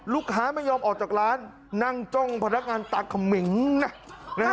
ลูกค้าไม่ยอมออกจากร้านนั่งจ้องพนักงานตาเขมิงนะนะฮะ